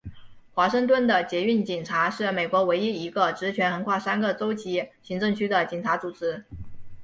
华盛顿的捷运警察是美国唯一一个职权横跨三个州级行政区的警察组织。